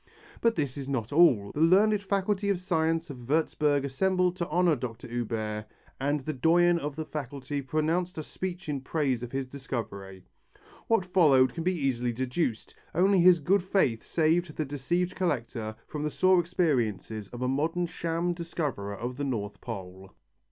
But this is not all. The learned Faculty of Science of Würtzburg assembled to honour Dr. Huber and the doyen of the Faculty pronounced a speech in praise of his discovery. What followed can be easily deduced. Only his good faith saved the deceived collector from the sore experiences of a modern sham discoverer of the North Pole.